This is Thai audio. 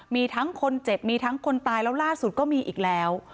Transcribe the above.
มีทั้งคนเจ็บมีทั้งคนตายแล้วล่าสุดก็มีอีกแล้ว